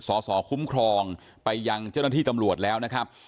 สอสอคุ้มครองไปยังเจ้าหน้าที่ตำรวจแล้วนะครับ